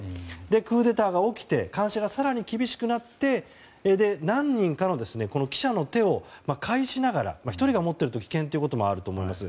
クーデターが起きて監視が更に厳しくなって何人かの記者の手を介しながら１人が持っていると危険ということもあります。